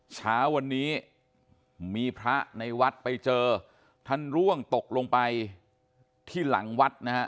เช้าวันนี้มีพระในวัดไปเจอท่านร่วงตกลงไปที่หลังวัดนะฮะ